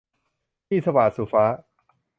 หนี้สวาท - สุฟ้า